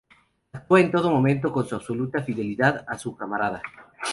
Actuó en todo momento con absoluta fidelidad a su camarada.